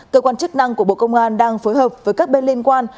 cơ quan chức năng của bộ công an đang phối hợp với các bên liên quan